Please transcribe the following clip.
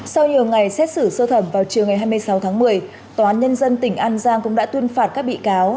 sau nhiều ngày xét xử sơ thẩm vào chiều ngày hai mươi sáu tháng một mươi tòa án nhân dân tỉnh an giang cũng đã tuyên phạt các bị cáo